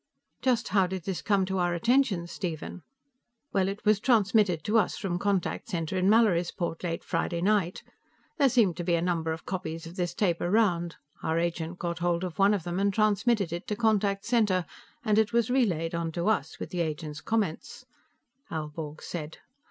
Just how did this come to our attention, Stephen?" "Well, it was transmitted to us from Contact Center in Mallorysport late Friday night. There seem to be a number of copies of this tape around; our agent got hold of one of them and transmitted it to Contact Center, and it was relayed on to us, with the agent's comments," Aelborg said.